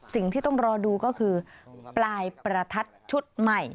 สิ่งที่ต้องรอดูก็คือปลายประทัดชุดใหม่